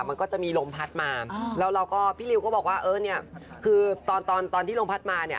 มันก็จะมีลมพัดมาแล้วเราก็พี่ริวก็บอกว่าเออเนี่ยคือตอนตอนที่ลมพัดมาเนี่ย